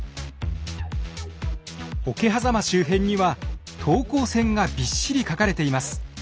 桶狭間周辺には等高線がびっしり描かれています。